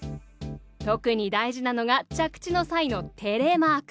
特に大事なのが着地の際のテレマーク。